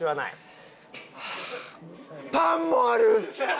はあパンもある！